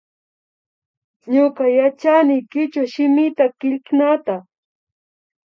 Ñuka yachani kichwa shimita killknata